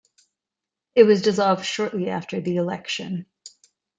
It was dissolved shortly after the election.